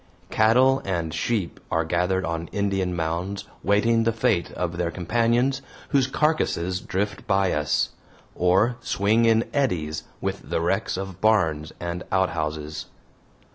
Cattle and sheep are gathered on Indian mounds waiting the fate of their companions whose carcasses drift by us, or swing in eddies with the wrecks of barns and outhouses.